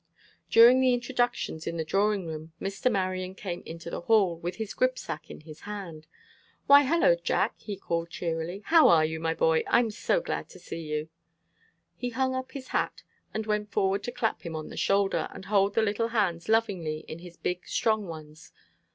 During the introductions in the drawing room, Mr. Marion came into the hall, with his gripsack in his hand. "Why, hello, Jack!" he called cheerily. "How are you, my boy? I'm so glad to see you." He hung up his hat, and went forward to clap him on the shoulder and hold the little hands lovingly in his big, strong ones.